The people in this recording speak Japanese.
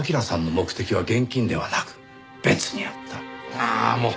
ああもう！